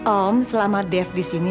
om selama dev disini